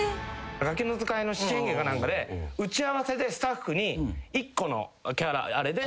『ガキの使い』の七変化か何かで打ち合わせでスタッフに１個のあれで。